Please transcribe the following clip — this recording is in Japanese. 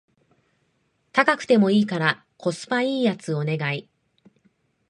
高くてもいいからコスパ良いやつお願い